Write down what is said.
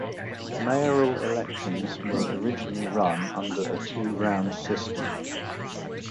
Mayoral elections were originally run under a two-round system.